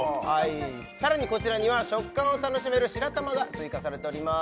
さらにこちらには食感を楽しめる白玉が追加されております